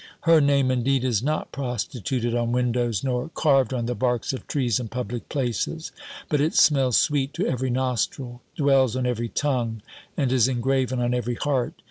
Her name, indeed, is not prostituted on windows, nor carved on the barks of trees in public places: but it smells sweet to every nostril, dwells on every tongue, and is engraven on every heart.